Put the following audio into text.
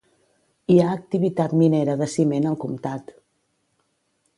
Hi ha activitat minera de ciment al comtat.